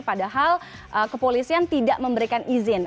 padahal kepolisian tidak memberikan izin